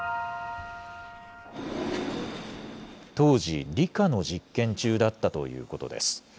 当時、理科の実験中だったということです。